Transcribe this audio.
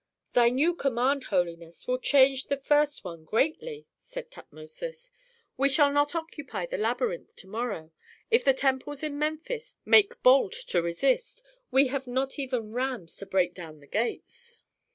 "Thy new command, holiness, will change the first one greatly," said Tutmosis. "We shall not occupy the labyrinth to morrow. If the temples in Memphis make bold to resist, we have not even rams to break down the gates."